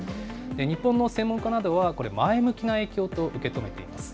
日本の専門家などは、これ、前向きな影響と受け止めています。